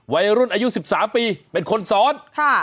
วัยรุ่นอายุ๑๓ปีเป็นคนสอน